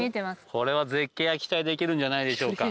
これは絶景が期待できるんじゃないでしょうか。